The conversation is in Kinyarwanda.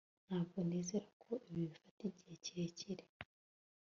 ntabwo nizera ko ibi bifata igihe kirekire